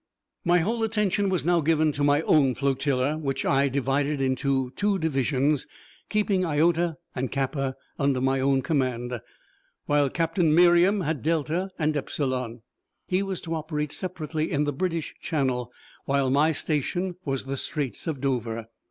My whole attention was now given to my own flotilla, which I divided into two divisions, keeping Iota and Kappa under my own command, while Captain Miriam had Delta and Epsilon. He was to operate separately in the British Channel, while my station was the Straits of Dover.